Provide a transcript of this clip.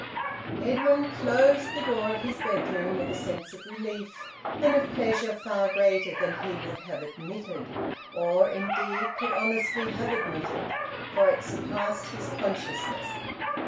Edwin closed the door of his bedroom with a sense of relief and of pleasure far greater than he would have admitted; or indeed could honestly have admitted, for it surpassed his consciousness.